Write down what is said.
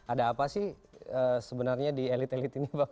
ada apa sih sebenarnya di elit elit ini bang